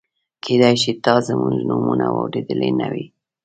کېدای شي تا زموږ نومونه اورېدلي نه وي.